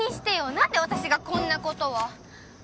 なんで私がこんな事を。